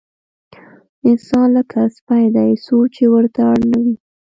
انسان لکه سپی دی، څو چې ورته اړ نه وي.